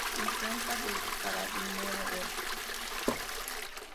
Imprenta de Carabineros.